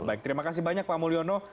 baik terima kasih banyak pak mulyono